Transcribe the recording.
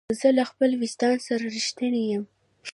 زه له خپل وجدان سره رښتینی یم.